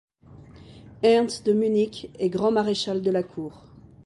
Ernst de Munnich est Grand-maréchal de la Cour.